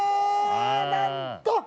なんと！